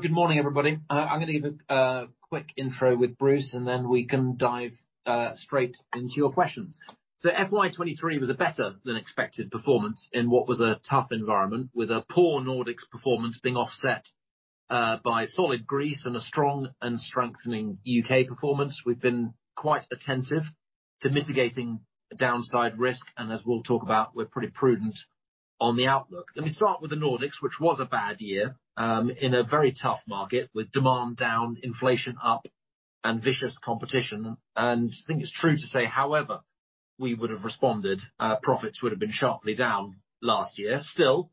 Good morning, everybody. I'm gonna give a quick intro with Bruce, and then we can dive straight into your questions. FY 2023 was a better than expected performance in what was a tough environment, with a poor Nordics performance being offset by solid Greece and a strong and strengthening U.K. performance. We've been quite attentive to mitigating downside risk, and as we'll talk about, we're pretty prudent on the outlook. Let me start with the Nordics, which was a bad year, in a very tough market, with demand down, inflation up, and vicious competition. I think it's true to say however we would have responded, profits would have been sharply down last year. Still,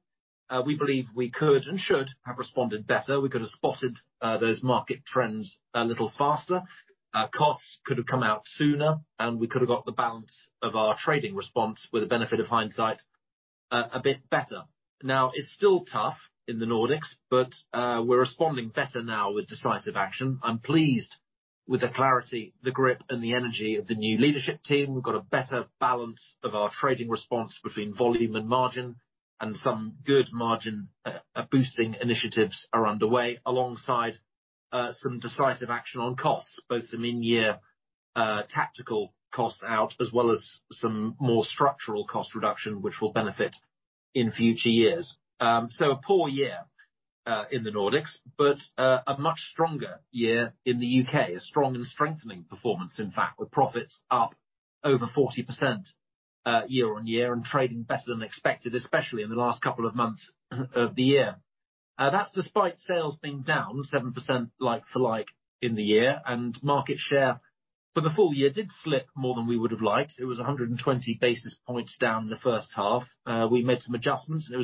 we believe we could and should have responded better. We could have spotted those market trends a little faster. Costs could have come out sooner, we could have got the balance of our trading response with the benefit of hindsight, a bit better. It's still tough in the Nordics, we're responding better now with decisive action. I'm pleased with the clarity, the grip, and the energy of the new leadership team. We've got a better balance of our trading response between volume and margin and some good margin boosting initiatives are underway alongside some decisive action on costs, both some in-year tactical cost-out, as well as some more structural cost reduction, which will benefit in future years. A poor year in the Nordics, a much stronger year in the U.K., a strong and strengthening performance, in fact, with profits up over 40% year-on-year and trading better than expected, especially in the last couple of months of the year. That's despite sales being down 7% like-for-like in the year, market share for the full year did slip more than we would have liked. It was 120 basis points down in the first half. We made some adjustments, it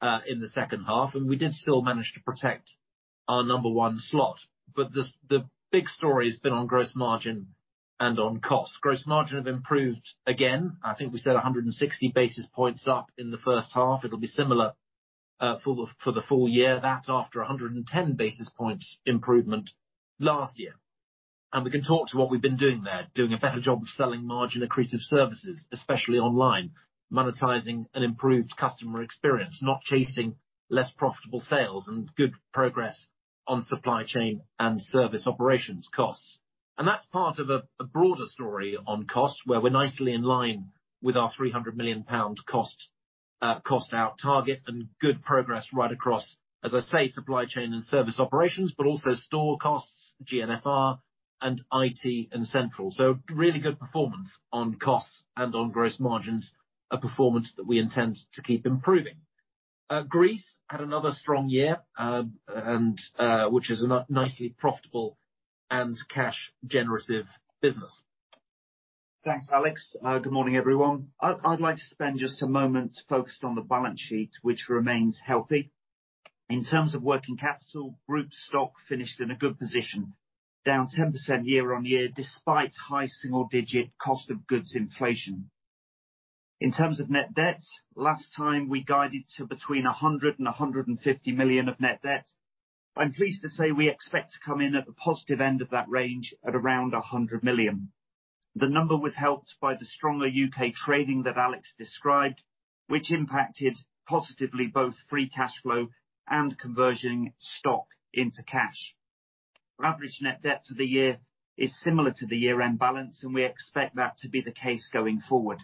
was better in the second half, we did still manage to protect our number one slot. The big story has been on gross margin and on cost. Gross margin have improved again. I think we said 160 basis points up in the first half. It'll be similar for the full year. That after 110 basis points improvement last year. We can talk to what we've been doing there, doing a better job of selling margin accretive services, especially online, monetizing an improved customer experience, not chasing less profitable sales, and good progress on supply chain and service operations costs. That's part of a broader story on cost, where we're nicely in line with our 300 million pound cost out target and good progress right across, as I say, supply chain and service operations, but also store costs, GNFR and IT and central. Really good performance on costs and on gross margins, a performance that we intend to keep improving. Greece had another strong year, which is a nicely profitable and cash generative business. Thanks, Alex. Good morning, everyone. I'd like to spend just a moment focused on the balance sheet, which remains healthy. In terms of working capital, group stock finished in a good position, down 10% year-on-year, despite high single-digit cost of goods inflation. In terms of net debt, last time we guided to between 100 million-150 million of net debt. I'm pleased to say we expect to come in at the positive end of that range at around 100 million. The number was helped by the stronger U.K. trading that Alex described, which impacted positively both free cash flow and conversion stock into cash. Average net debt for the year is similar to the year-end balance, and we expect that to be the case going forward.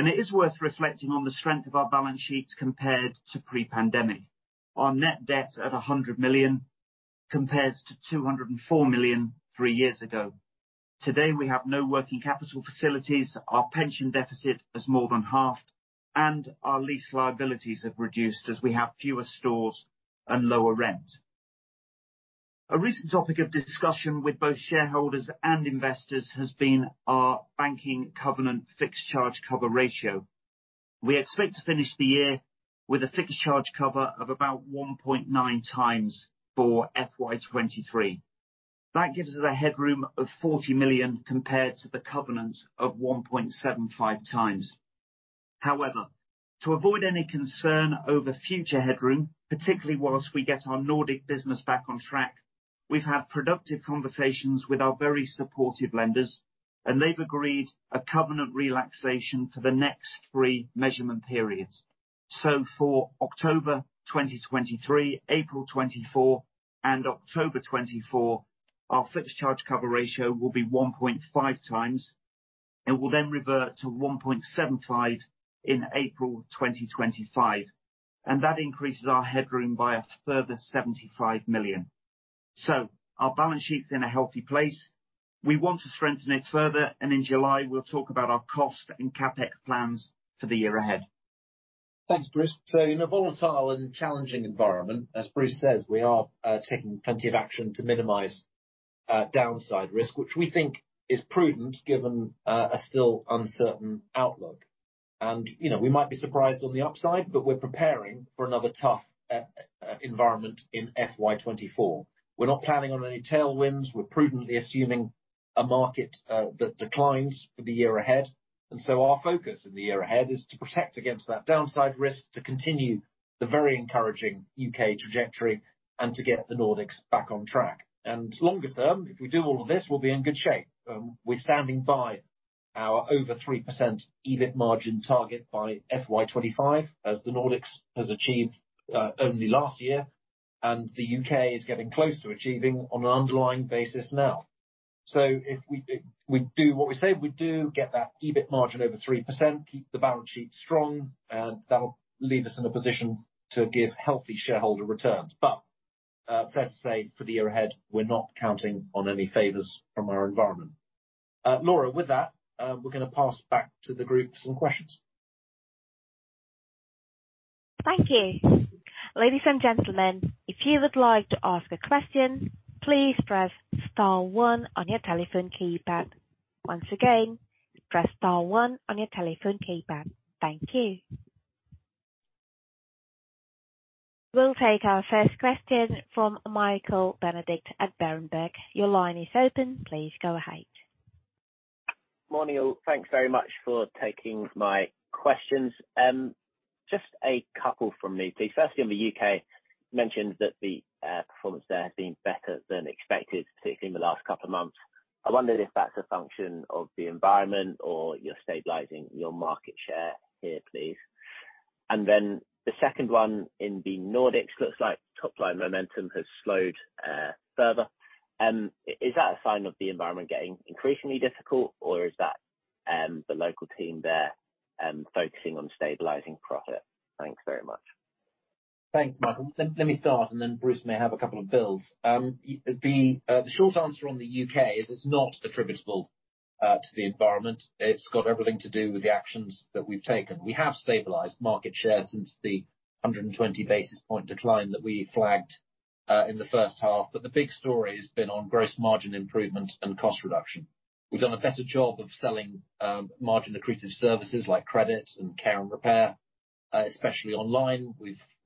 It is worth reflecting on the strength of our balance sheets compared to pre-pandemic. Our net debt at 100 million compares to 204 million 3 years ago. Today, we have no working capital facilities, our pension deficit has more than halved, and our lease liabilities have reduced as we have fewer stores and lower rent. A recent topic of discussion with both shareholders and investors has been our banking covenant fixed charge coverage ratio. We expect to finish the year with a fixed charge cover of about 1.9 times for FY23. That gives us a headroom of 40 million compared to the covenant of 1.75 times. To avoid any concern over future headroom, particularly whilst we get our Nordic business back on track, we've had productive conversations with our very supportive lenders, and they've agreed a covenant relaxation for the next three measurement periods. For October 2023, April 2024, and October 2024, our fixed charge coverage ratio will be 1.5 times, and will then revert to 1.75 in April 2025, and that increases our headroom by a further 75 million. Our balance sheet's in a healthy place. We want to strengthen it further, and in July, we'll talk about our cost and CapEx plans for the year ahead. Thanks, Bruce. In a volatile and challenging environment, as Bruce says, we are taking plenty of action to minimize downside risk, which we think is prudent given a still uncertain outlook. You know, we might be surprised on the upside, but we're preparing for another tough environment in FY 2024. We're not planning on any tailwinds. We're prudently assuming a market that declines for the year ahead. Our focus in the year ahead is to protect against that downside risk, to continue the very encouraging U.K. trajectory and to get the Nordics back on track. Longer term, if we do all of this, we'll be in good shape. We're standing by. Our over 3% EBIT margin target by FY 2025, as the Nordics has achieved only last year, and the U.K. is getting close to achieving on an underlying basis now. If we do what we say we do, get that EBIT margin over 3%, keep the balance sheet strong, and that'll leave us in a position to give healthy shareholder returns. Fair to say, for the year ahead, we're not counting on any favors from our environment. Laura, with that, we're gonna pass back to the group for some questions. Thank you. Ladies and gentlemen, if you would like to ask a question, please press star one on your telephone keypad. Once again, press star one on your telephone keypad. Thank you. We'll take our first question from Michael Benedict at Berenberg. Your line is open. Please go ahead. Morning, all. Thanks very much for taking my questions. Just a couple from me, please. Firstly, on the U.K., you mentioned that the performance there has been better than expected, particularly in the last couple of months. I wondered if that's a function of the environment or you stabilizing your market share here, please. The second one, in the Nordics, looks like top line momentum has slowed further. Is that a sign of the environment getting increasingly difficult, or is that the local team there focusing on stabilizing profit? Thanks very much. Thanks, Michael. Let me start. Bruce may have a couple of bills. The short answer on the U.K. is it's not attributable to the environment. It's got everything to do with the actions that we've taken. We have stabilized market share since the 120 basis point decline that we flagged in the first half. The big story has been on gross margin improvement and cost reduction. We've done a better job of selling margin-accretive services like credit and care and repair, especially online.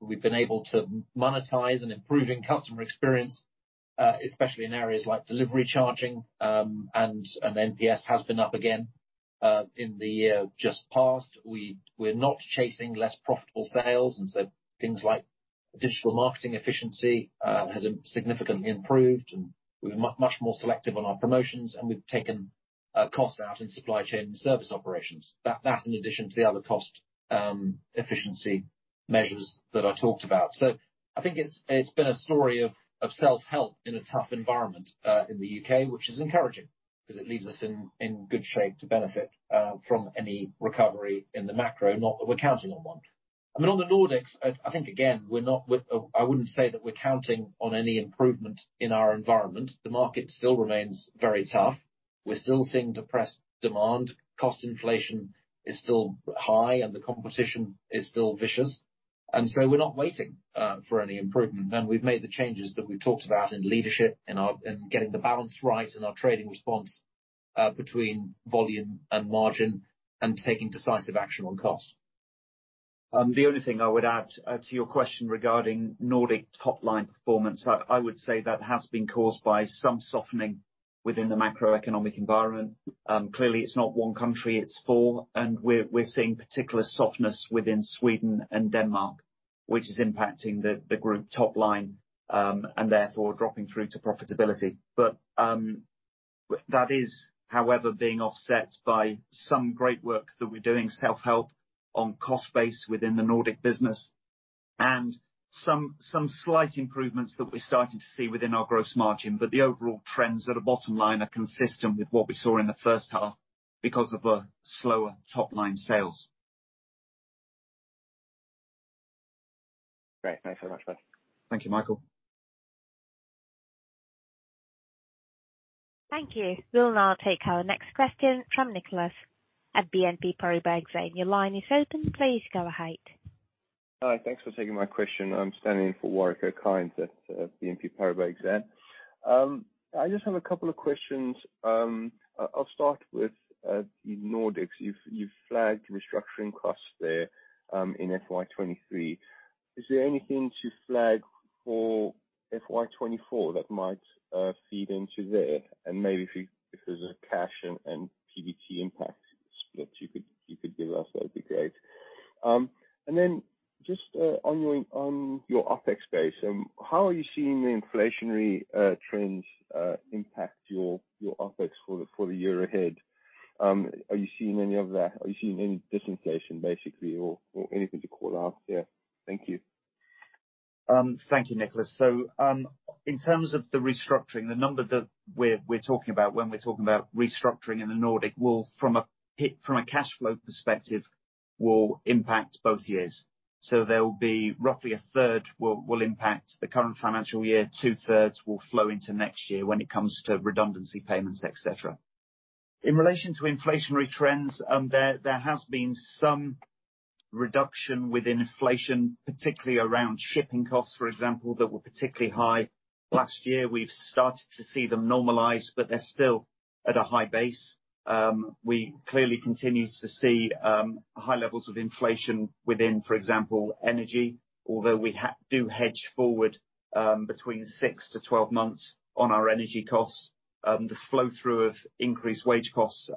We've been able to monetize an improving customer experience, especially in areas like delivery charging. NPS has been up again in the year just passed. We're not chasing less profitable sales, and so things like digital marketing efficiency has significantly improved, and we're much more selective on our promotions, and we've taken costs out in supply chain and service operations. That's in addition to the other cost efficiency measures that I talked about. I think it's been a story of self-help in a tough environment in the U.K., which is encouraging, 'cause it leaves us in good shape to benefit from any recovery in the macro, not that we're counting on one. I mean, on the Nordics, I think, again, I wouldn't say that we're counting on any improvement in our environment. The market still remains very tough. We're still seeing depressed demand. Cost inflation is still high, and the competition is still vicious. We're not waiting for any improvement. We've made the changes that we've talked about in leadership, in getting the balance right in our trading response, between volume and margin and taking decisive action on cost. The only thing I would add to your question regarding Nordic top line performance, I would say that has been caused by some softening within the macroeconomic environment. Clearly it's not one country, it's four, we're seeing particular softness within Sweden and Denmark, which is impacting the group top line and therefore dropping through to profitability. That is, however, being offset by some great work that we're doing, self-help on cost base within the Nordic business and some slight improvements that we're starting to see within our gross margin. The overall trends at a bottom line are consistent with what we saw in the first half because of the slower top line sales. Great. Thanks so much, Bruce. Thank you, Michael. Thank you. We'll now take our next question from Nicholas at BNP Paribas. Your line is open. Please go ahead. Hi, thanks for taking my question. I'm standing in for Warwick Okines at BNP Paribas Exane. I just have a couple of questions. I'll start with the Nordics. You've flagged restructuring costs there in FY 2023. Is there anything to flag for FY 2024 that might feed into there? Maybe if there's a cash and PBT impact split you could give us, that'd be great. Just on your OpEx base, how are you seeing the inflationary trends impact your OpEx for the year ahead? Are you seeing any of that? Are you seeing any disinflation basically or anything to call out there? Thank you. Thank you, Nicholas. In terms of the restructuring, the number that we're talking about when we're talking about restructuring in the Nordic will from a cash flow perspective will impact both years. There'll be roughly a third will impact the current financial year, two-thirds will flow into next year when it comes to redundancy payments, et cetera. In relation to inflationary trends, there has been some reduction within inflation, particularly around shipping costs, for example, that were particularly high last year. We've started to see them normalize, but they're still at a high base. We clearly continue to see high levels of inflation within, for example, energy, although we do hedge forward between six to twelve months on our energy costs. The flow-through of increased wage costs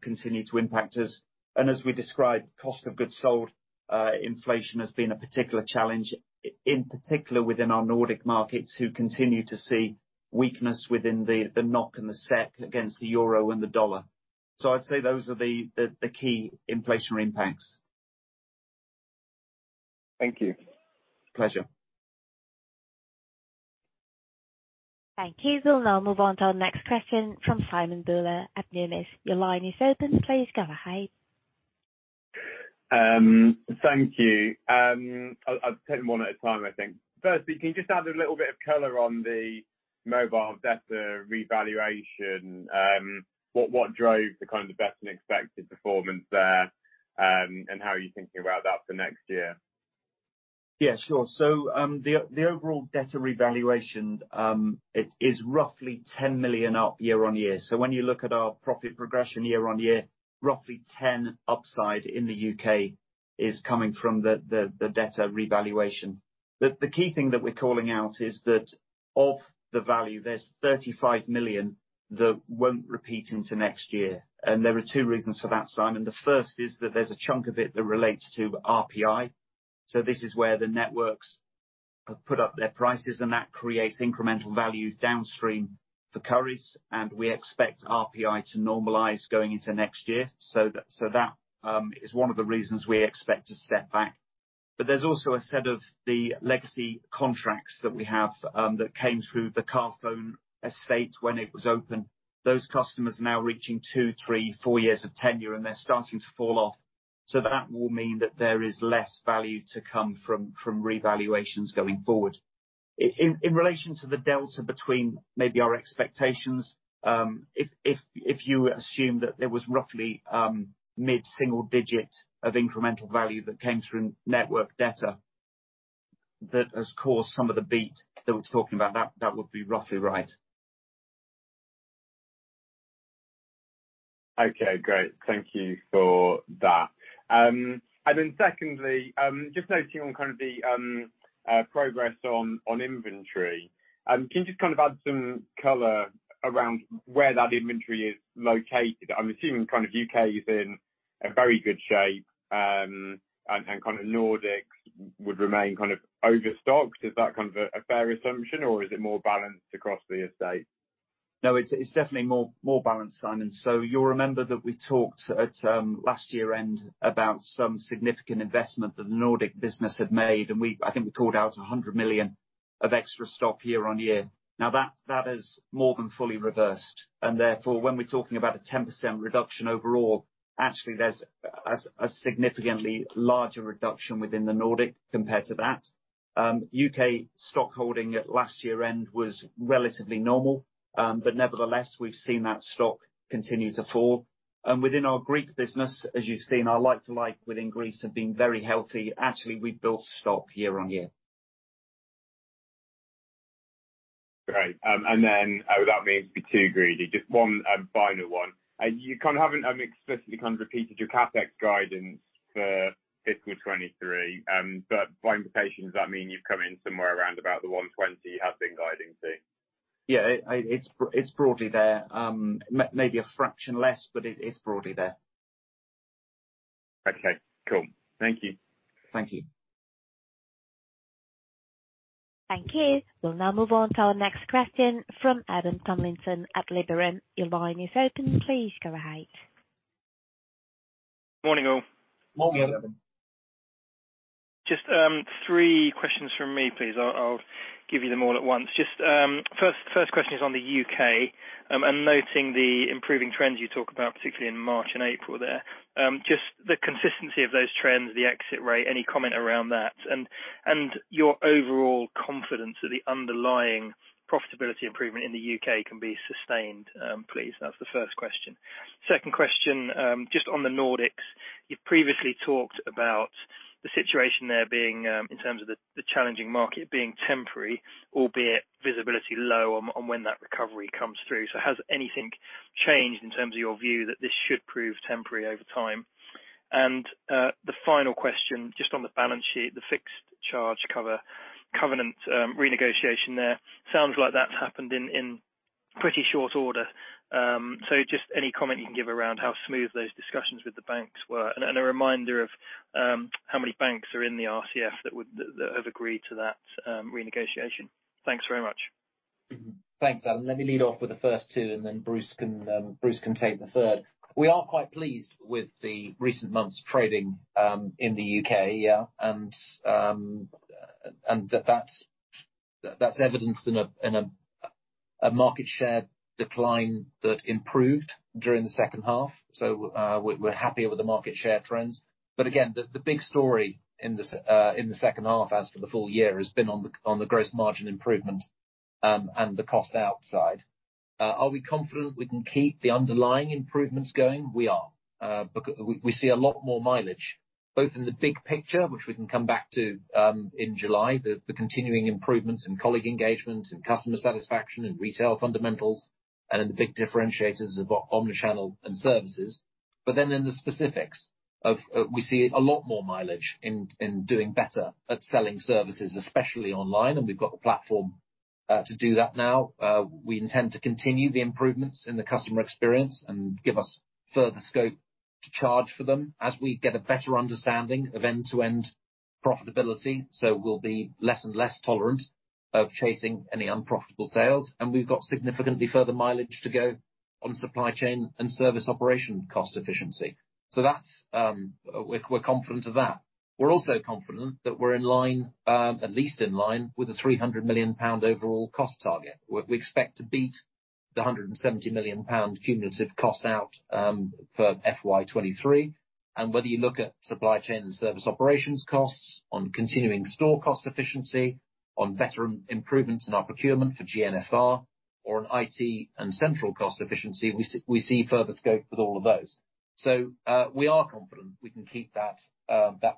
continue to impact us. As we described, cost of goods sold, inflation has been a particular challenge, in particular within our Nordic markets, who continue to see weakness within the NOK and the SEK against the euro and the dollar. I'd say those are the key inflationary impacts. Thank you. Pleasure. Thank you. We'll now move on to our next question from Simon Bowler at Numis. Your line is open, please go ahead. Thank you. I'll take them one at a time, I think. First, can you just add a little bit of color on the mobile revaluations? What drove the kind of better than expected performance there, and how are you thinking about that for next year? Yeah, sure. The overall debtor revaluation, it is roughly 10 million up year-over-year. When you look at our profit progression year-over-year, roughly 10 upside in the U.K. is coming from the debtor revaluation. The key thing that we're calling out is that of the value, there's 35 million that won't repeat into next year. There are two reasons for that, Simon. The first is that there's a chunk of it that relates to RPI. This is where the networks have put up their prices, and that creates incremental value downstream for Currys, and we expect RPI to normalize going into next year. That is one of the reasons we expect to step back. There's also a set of the legacy contracts that we have, that came through the Carphone estate when it was opened. Those customers are now reaching two, three, four years of tenure, and they're starting to fall off. That will mean that there is less value to come from revaluations going forward. In relation to the delta between maybe our expectations, if you assume that there was roughly mid-single digit of incremental value that came through network data, that has caused some of the beat that we're talking about, that would be roughly right. Okay, great. Thank you for that. Then secondly, just noting on kind of the progress on inventory. Can you just kind of add some color around where that inventory is located? I'm assuming kind of U.K. is in a very good shape, and kind of Nordics would remain kind of overstocked. Is that kind of a fair assumption, or is it more balanced across the estate? No, it's definitely more balanced, Simon. You'll remember that we talked at last year-end about some significant investment that the Nordic business had made, and I think we called out 100 million of extra stock year-on-year. That has more than fully reversed, and therefore, when we're talking about a 10% reduction overall, actually, there's a significantly larger reduction within the Nordic compared to that. U.K. stockholding at last year-end was relatively normal, but nevertheless, we've seen that stock continue to fall. Within our Greek business, as you've seen, our like-for-like within Greece have been very healthy. Actually, we've built stock year-on-year. Great. I would not mean to be too greedy, just one final one. You kind of haven't explicitly kind of repeated your CapEx guidance for FY 2023, by implication, does that mean you've come in somewhere around about the 120 million you have been guiding to? Yeah. It's broadly there. Maybe a fraction less, but it is broadly there. Okay, cool. Thank you. Thank you. Thank you. We'll now move on to our next question from Adam Tomlinson at Liberum. Your line is open. Please go ahead. Morning, all. Morning, Adam. Three questions from me, please. I'll give you them all at once. First question is on the U.K.., and noting the improving trends you talk about, particularly in March and April there. The consistency of those trends, the exit rate, any comment around that? And your overall confidence that the underlying profitability improvement in the U.K. can be sustained, please. That's the first question. Second question on the Nordics. You've previously talked about the situation there being in terms of the challenging market, being temporary, albeit visibility low on when that recovery comes through. Has anything changed in terms of your view that this should prove temporary over time? The final question on the balance sheet, the fixed charge cover covenant, renegotiation there. Sounds like that's happened in pretty short order. Just any comment you can give around how smooth those discussions with the banks were? A reminder of how many banks are in the RCF that have agreed to that renegotiation. Thanks very much. Thanks, Adam. Let me lead off with the first two, then Bruce can take the third. We are quite pleased with the recent months' trading in the U.K., and that's evidenced in a market share decline that improved during the second half. We're happier with the market share trends. Again, the big story in the second half, as for the full year, has been on the gross margin improvement and the cost out side. Are we confident we can keep the underlying improvements going? We are. We see a lot more mileage, both in the big picture, which we can come back to in July. The continuing improvements in colleague engagement and customer satisfaction and retail fundamentals, and in the big differentiators of omnichannel and services. In the specifics, we see a lot more mileage in doing better at selling services, especially online, and we've got the platform to do that now. We intend to continue the improvements in the customer experience and give us further scope to charge for them as we get a better understanding of end-to-end profitability. We'll be less and less tolerant of chasing any unprofitable sales, and we've got significantly further mileage to go. On supply chain and service operation cost efficiency. That's, we're confident of that. We're also confident that we're in line, at least in line with the 300 million pound overall cost target. We expect to beat the 170 million pound cumulative cost out for FY 2023. Whether you look at supply chain and service operations costs, on continuing store cost efficiency, on veteran improvements in our procurement for GNFR or on IT and central cost efficiency, we see further scope with all of those. We are confident we can keep that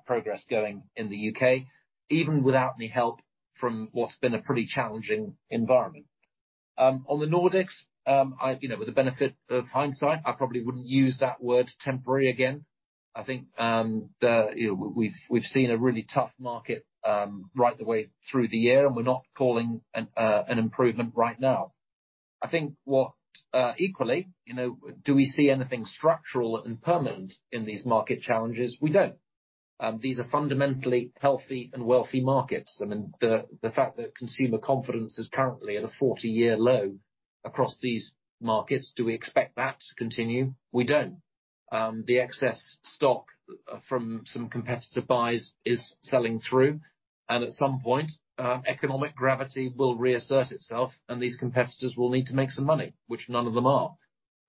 progress going in the U.K., even without any help from what's been a pretty challenging environment. On the Nordics, I, you know, with the benefit of hindsight, I probably wouldn't use that word temporary again. I think, you know, we've seen a really tough market right the way through the year, and we're not calling an improvement right now. I think what, equally, you know, do we see anything structural and permanent in these market challenges? We don't. These are fundamentally healthy and wealthy markets. I mean, the fact that consumer confidence is currently at a 40-year low across these markets, do we expect that to continue? We don't. The excess stock from some competitor buys is selling through, and at some point, economic gravity will reassert itself, and these competitors will need to make some money, which none of them are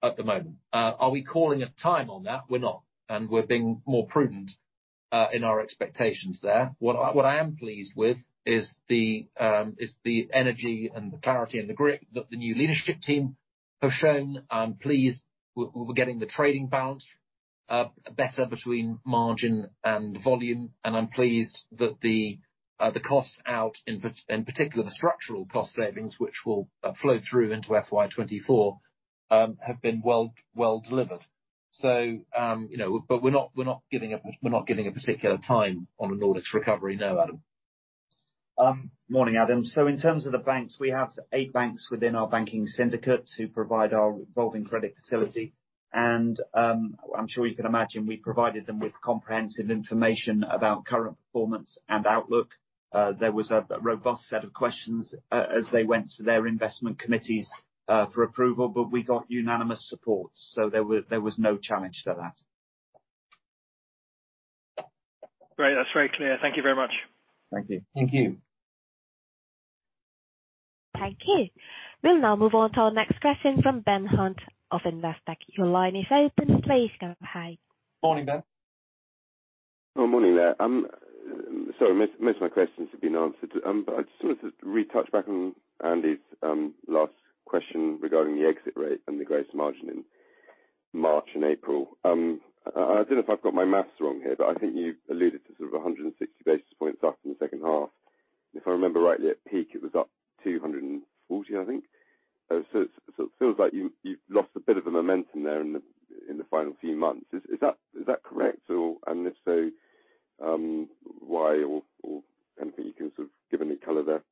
at the moment. Are we calling a time on that? We're not, and we're being more prudent in our expectations there. What I am pleased with is the energy and the clarity and the grit that the new leadership team have shown. I'm pleased we're getting the trading balance better between margin and volume, and I'm pleased that the costs out, in particular, the structural cost savings, which will flow through into FY 2024, have been well delivered. You know, we're not giving a particular time on a Nordics recovery now, Adam. Morning, Adam. In terms of the banks, we have eight banks within our banking syndicate who provide our revolving credit facility, and I'm sure you can imagine, we provided them with comprehensive information about current performance and outlook. There was a robust set of questions as they went to their investment committees for approval, but we got unanimous support. There was no challenge to that. Great. That's very clear. Thank you very much. Thank you. Thank you. Thank you. We'll now move on to our next question from Ben Hunt of Investec. Your line is open. Please go ahead. Morning, Ben. Morning there. Sorry, most of my questions have been answered. I just wanted to retouch back on Andy's last question regarding the exit rate and the gross margin in March and April. I don't know if I've got my maths wrong here, but I think you alluded to sort of 160 basis points up in the second half. If I remember rightly, at peak, it was up to 240, I think. Feels like you've lost a bit of the momentum there in the final few months. Is that correct? Or, and if so, why or anything you can sort of give any color there?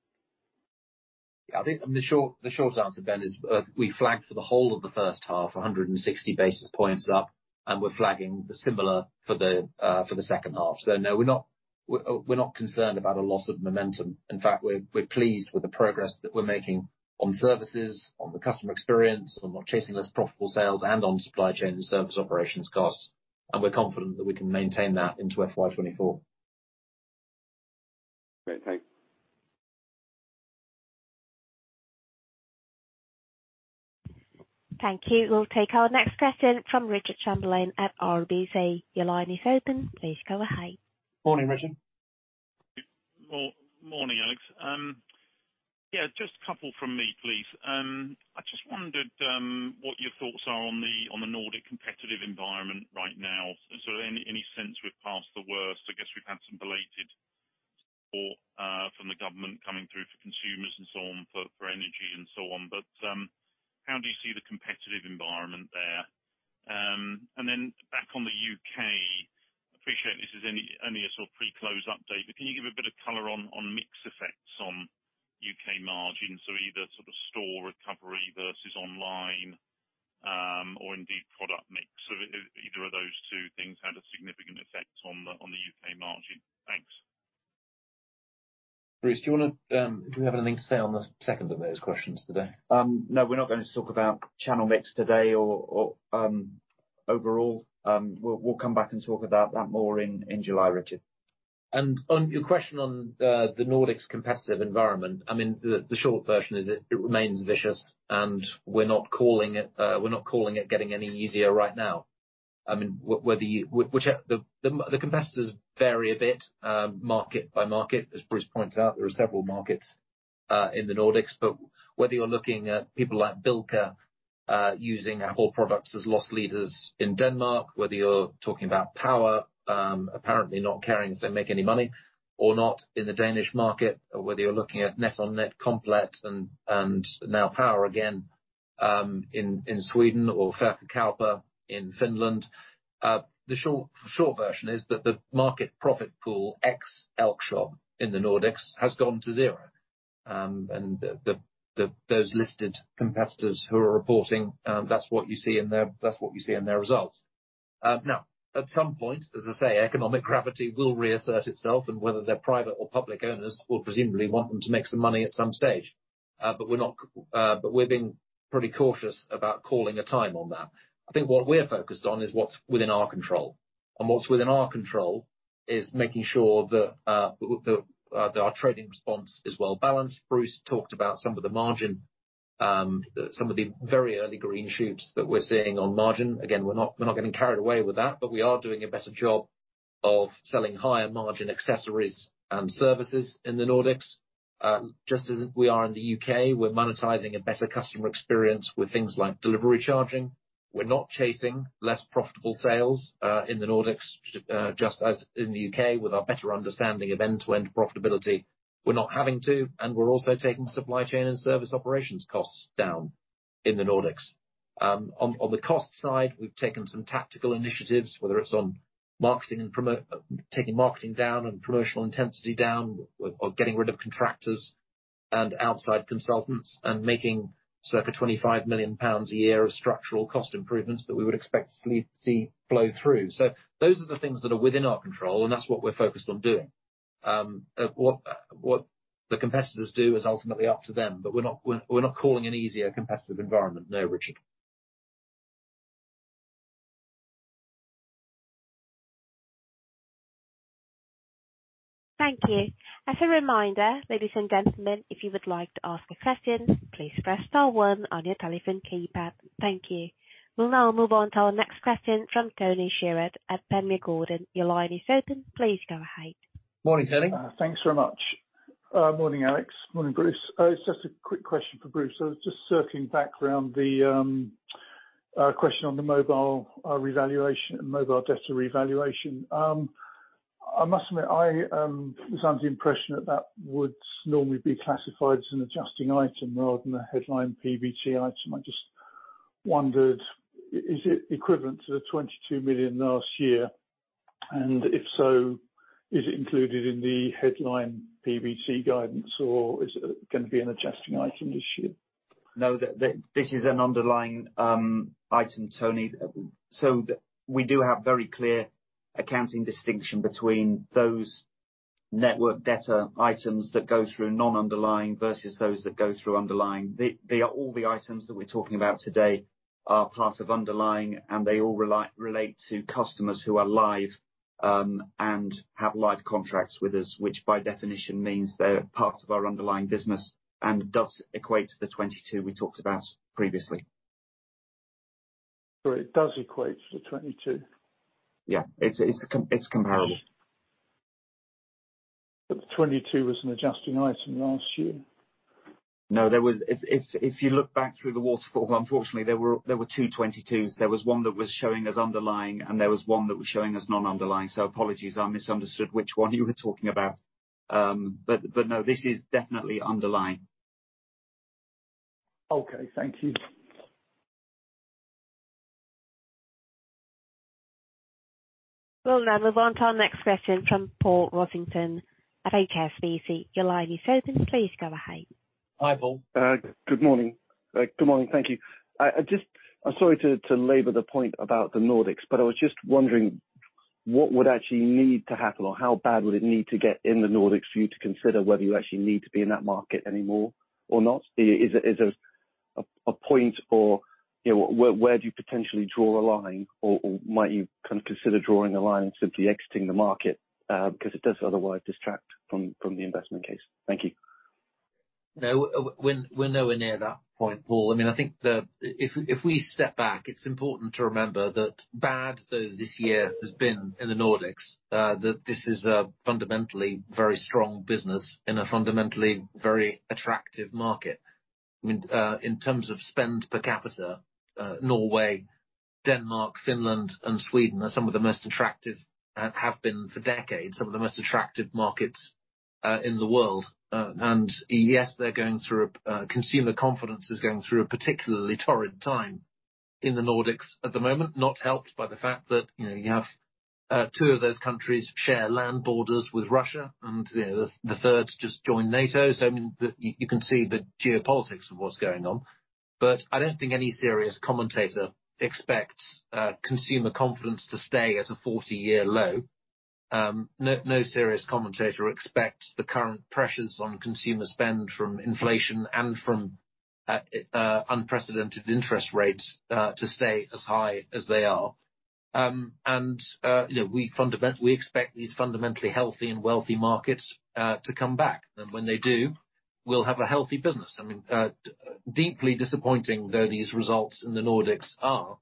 I think the short answer, Ben, is, we flagged for the whole of the first half 160 basis points up, and we're flagging the similar for the second half. No, we're not concerned about a loss of momentum. In fact, we're pleased with the progress that we're making on services, on the customer experience, on not chasing less profitable sales, and on supply chain and service operations costs. We're confident that we can maintain that into FY 2024. Great. Thank you. Thank you. We'll take our next question from Richard Chamberlain at RBC. Your line is open. Please go ahead. Morning, Richard. Morning, Alex. Yeah, just a couple from me, please. I just wondered what your thoughts are on the Nordic competitive environment right now. Any sense we're past the worst? I guess we've had some belated support from the government coming through for consumers and so on, for energy and so on. How do you see the competitive environment there? Then back on the U.K., appreciate this is only a sort of pre-close update, but can you give a bit of color on mix effects on UK margin, so either sort of store recovery versus online, or indeed product mix. Either of those two things had a significant effect on the U.K. margin. Thanks. Bruce, do you wanna, do you have anything to say on the second of those questions today? No, we're not gonna talk about channel mix today or overall. We'll come back and talk about that more in July, Richard. On your question on the Nordics competitive environment, I mean, the short version is it remains vicious, and we're not calling it getting any easier right now. I mean, whether you, the competitors vary a bit market by market. As Bruce points out, there are several markets in the Nordics, but whether you're looking at people like Bilka using our whole products as loss leaders in Denmark, whether you're talking about Power apparently not caring if they make any money or not in the Danish market, or whether you're looking at NetonNet, Komplett and now Power again in Sweden or Verkkokauppa.com in Finland. The short version is that the market profit pool ex Elkjøp in the Nordics has gone to zero. Those listed competitors who are reporting, that's what you see in their, that's what you see in their results. Now, at some point, as I say, economic gravity will reassert itself, and whether they're private or public owners, we'll presumably want them to make some money at some stage. We're being pretty cautious about calling a time on that. I think what we're focused on is what's within our control. What's within our control is making sure that our trading response is well-balanced. Bruce talked about some of the margin, some of the very early green shoots that we're seeing on margin. We're not getting carried away with that, but we are doing a better job of selling higher margin accessories and services in the Nordics, just as we are in the U.K.. We're monetizing a better customer experience with things like delivery charging. We're not chasing less profitable sales in the Nordics, just as in the U.K. with our better understanding of end-to-end profitability. We're not having to, we're also taking supply chain and service operations costs down in the Nordics. On the cost side, we've taken some tactical initiatives, whether it's on marketing and taking marketing down and promotional intensity down or getting rid of contractors and outside consultants, making circa 25 million pounds a year of structural cost improvements that we would expect to see flow through. Those are the things that are within our control, and that's what we're focused on doing. What the competitors do is ultimately up to them, but we're not calling an easier competitive environment. No, Richard. Thank you. As a reminder, ladies and gentlemen, if you would like to ask a question, please press star one on your telephone keypad. Thank you. We'll now move on to our next question from Tony Shiret at Panmure Gordon. Your line is open. Please go ahead. Morning, Tony. Thanks very much. Morning, Alex. Morning, Bruce. It's just a quick question for Bruce. I was just circling back around the question on the mobile revaluation, mobile debtor revaluation. I must admit, I was under the impression that that would normally be classified as an adjusting item rather than a headline PBT item. I just wondered, is it equivalent to the 22 million last year? If so, is it included in the headline PBT guidance, or is it gonna be an adjusting item this year? No. This is an underlying item, Tony. We do have very clear accounting distinction between those network debtor items that go through non-underlying versus those that go through underlying. They are all the items that we're talking about today are part of underlying, and they all relate to customers who are live and have live contracts with us, which by definition means they're part of our underlying business and does equate to the 22 we talked about previously. It does equate to the 22? Yeah. It's comparable. The 2022 was an adjusting item last year. No, there was... If you look back through the waterfall, unfortunately there were two 22s. There was one that was showing as underlying, and there was one that was showing as non-underlying. Apologies, I misunderstood which one you were talking about. No, this is definitely underlying. Okay, thank you. We'll now move on to our next question from Paul Wallace at HSBC. Your line is open. Please go ahead. Hi, Paul. Good morning. Good morning. Thank you. I'm sorry to labor the point about the Nordics, but I was just wondering what would actually need to happen or how bad would it need to get in the Nordics for you to consider whether you actually need to be in that market anymore or not? Is there a point or, you know, where do you potentially draw a line or might you kind of consider drawing a line and simply exiting the market because it does otherwise distract from the investment case? Thank you. No, we're nowhere near that point, Paul. I mean, if we step back, it's important to remember that bad though this year has been in the Nordics, that this is a fundamentally very strong business in a fundamentally very attractive market. I mean, in terms of spend per capita, Norway, Denmark, Finland, and Sweden are some of the most attractive, have been for decades, some of the most attractive markets, in the world. Yes, they're going through. Consumer confidence is going through a particularly torrid time in the Nordics at the moment, not helped by the fact that, you know, you have, two of those countries share land borders with Russia and, you know, the third just joined NATO. I mean, you can see the geopolitics of what's going on. I don't think any serious commentator expects consumer confidence to stay at a 40-year low. No serious commentator expects the current pressures on consumer spend from inflation and from unprecedented interest rates to stay as high as they are. You know, we expect these fundamentally healthy and wealthy markets to come back. When they do, we'll have a healthy business. I mean, deeply disappointing though these results in the Nordics are,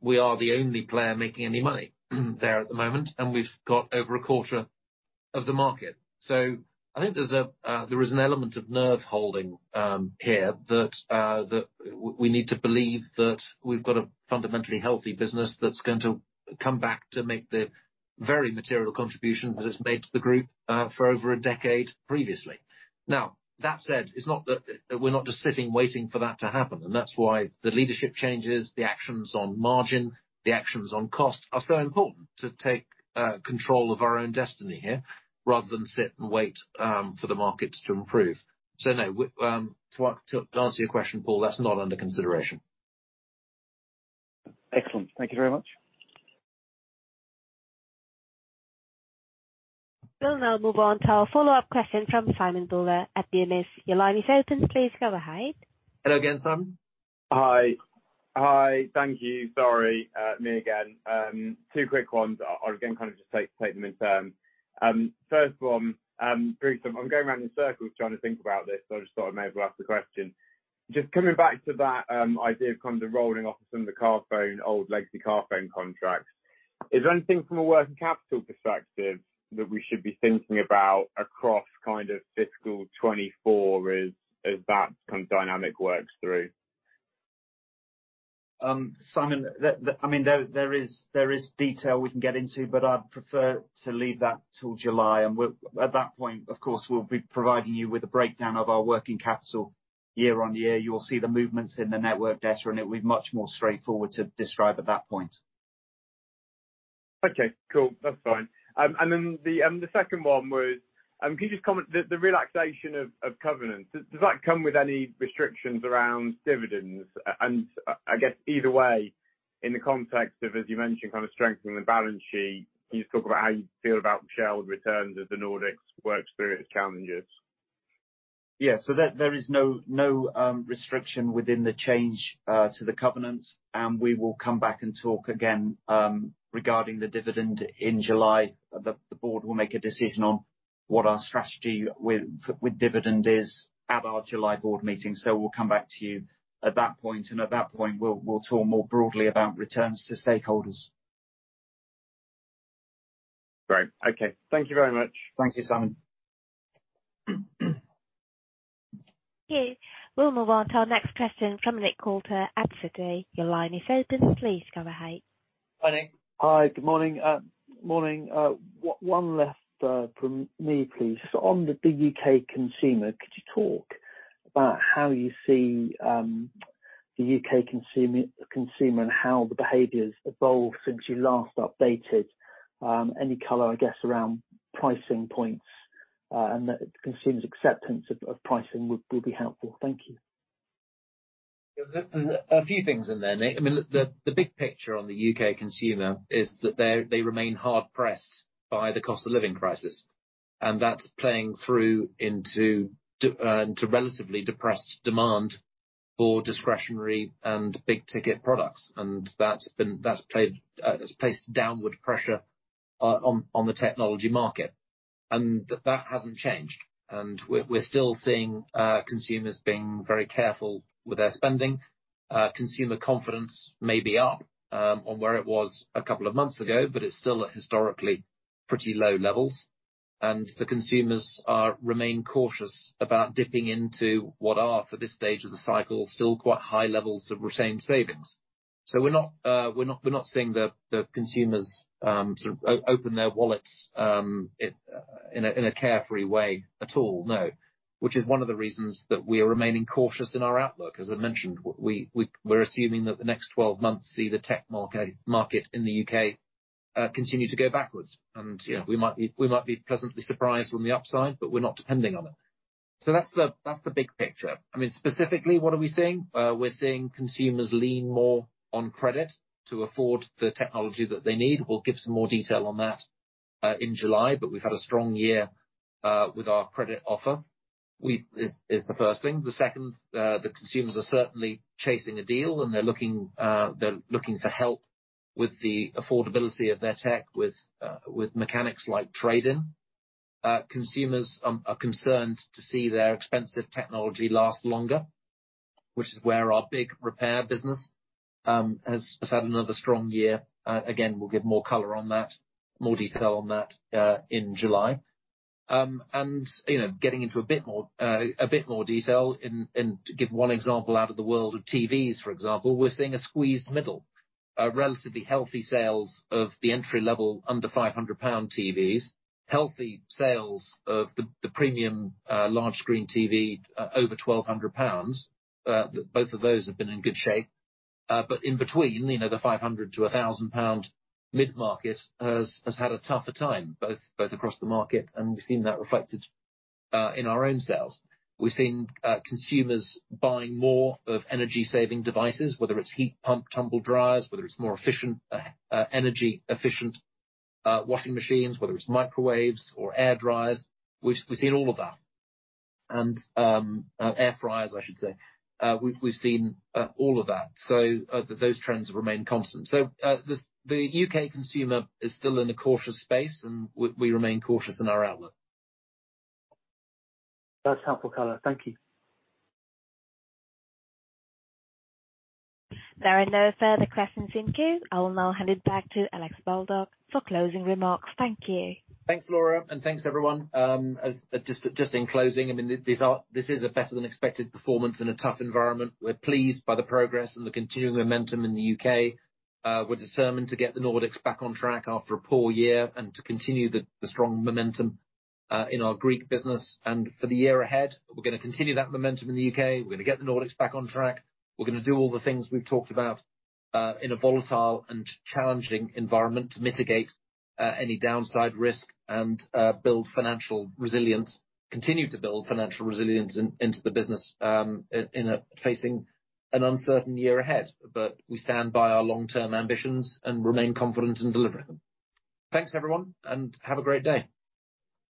we are the only player making any money there at the moment, and we've got over a quarter of the market. I think there's. There is an element of nerve-holding here that we need to believe that we've got a fundamentally healthy business that's going to come back to make the very material contributions that it's made to the group for over a decade previously. Now, that said, it's not that we're not just sitting waiting for that to happen, and that's why the leadership changes, the actions on margin, the actions on cost are so important to take control of our own destiny here rather than sit and wait for the markets to improve. No, we to answer your question, Paul, that's not under consideration. Excellent. Thank you very much. We'll now move on to our follow-up question from Simon Bowler at Numis. Your line is open. Please go ahead. Hello again, Simon. Hi. Hi. Thank you. Sorry, me again. Two quick ones. I'll again kind of just take them in turn. First one, briefly, I'm going round in circles trying to think about this. I just thought I may as well ask the question. Just coming back to that idea of kind of rolling off some of the Carphone, old legacy Carphone contracts. Is there anything from a working capital perspective that we should be thinking about across kind of FY 2024 as that kind of dynamic works through? Simon, I mean, there is detail we can get into, but I'd prefer to leave that till July, and at that point, of course, we'll be providing you with a breakdown of our working capital year-on-year. You will see the movements in the network, et cetera, and it will be much more straightforward to describe at that point. Okay. Cool. That's fine. The second one was, can you just comment. The relaxation of covenants, does that come with any restrictions around dividends? I guess either way, in the context of, as you mentioned, kind of strengthening the balance sheet, can you just talk about how you feel about shareholder returns as the Nordics work through its challenges? Yeah. There is no restriction within the change to the covenants, and we will come back and talk again regarding the dividend in July. The board will make a decision on what our strategy with dividend is at our July board meeting. We'll come back to you at that point, and at that point, we'll talk more broadly about returns to stakeholders. Great. Okay. Thank you very much. Thank you, Simon. Thank you. We'll move on to our next question from Nick Coulter at Citi. Your line is open. Please go ahead. Hi, Nick. Hi. Good morning. One last from me, please. On the big U.K. consumer, could you talk about how you see the U.K. consumer and how the behavior's evolved since you last updated? Any color, I guess, around pricing points and the consumers' acceptance of pricing would be helpful. Thank you. There's a few things in there, Nick. I mean, the big picture on the U.K. consumer is that they remain hard pressed by the cost of living crisis, and that's playing through into relatively depressed demand for discretionary and big ticket products. That's played, has placed downward pressure on the technology market. That hasn't changed. We're still seeing consumers being very careful with their spending. Consumer confidence may be up on where it was a couple of months ago, but it's still at historically pretty low levels. The consumers remain cautious about dipping into what are, for this stage of the cycle, still quite high levels of retained savings. We're not seeing the consumers sort of open their wallets in a carefree way at all. No. Which is one of the reasons that we are remaining cautious in our outlook. As I mentioned, we're assuming that the next 12 months see the tech market in the U.K. continue to go backwards. You know, we might be pleasantly surprised on the upside, but we're not depending on it. That's the big picture. I mean, specifically, what are we seeing? We're seeing consumers lean more on credit to afford the technology that they need. We'll give some more detail on that in July, but we've had a strong year with our credit offer. Is the first thing. The second, the consumers are certainly chasing a deal and they're looking, they're looking for help with the affordability of their tech with mechanics like trade-in. Consumers are concerned to see their expensive technology last longer, which is where our big repair business has had another strong year. Again, we'll give more color on that, more detail on that in July. You know, getting into a bit more a bit more detail and to give one example out of the world of TVs, for example, we're seeing a squeezed middle. Relatively healthy sales of the entry-level under 500 pound TVs, healthy sales of the premium, large screen TV over 1,200 pounds. Both of those have been in good shape. In between, you know, the 500-1,000 pound mid-market has had a tougher time, both across the market, and we've seen that reflected in our own sales. We've seen consumers buying more of energy-saving devices, whether it's heat pump tumble dryers, whether it's more efficient, energy efficient washing machines, whether it's microwaves or air dryers. We've seen all of that. Air fryers, I should say. We've seen all of that. Those trends remain constant. The U.K. consumer is still in a cautious space and we remain cautious in our outlook. That's helpful color. Thank you. There are no further questions in queue. I will now hand it back to Alex Baldock for closing remarks. Thank you. Thanks, Laura, and thanks, everyone. As just in closing, I mean, this is a better than expected performance in a tough environment. We're pleased by the progress and the continuing momentum in the U.K.. We're determined to get the Nordics back on track after a poor year and to continue the strong momentum in our Greek business. For the year ahead, we're gonna continue that momentum in the U.K., we're gonna get the Nordics back on track, we're gonna do all the things we've talked about in a volatile and challenging environment to mitigate any downside risk and build financial resilience, continue to build financial resilience into the business in facing an uncertain year ahead. We stand by our long-term ambitions and remain confident in delivering them. Thanks, everyone, and have a great day.